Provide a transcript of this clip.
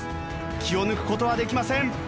気を抜く事はできません。